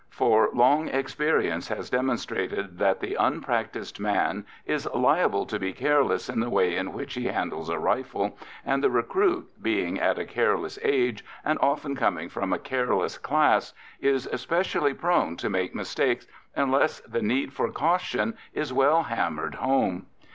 For long experience has demonstrated that the unpractised man is liable to be careless in the way in which he handles a rifle, and the recruit, being at a careless age, and often coming from a careless class, is especially prone to make mistakes unless the need for caution is well hammered home.